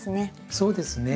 そうですね。